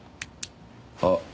あっ。